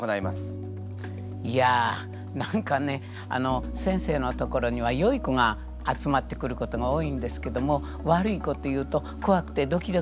いや何かね先生のところにはよい子が集まってくることが多いんですけども悪い子というとこわくてドキドキしています。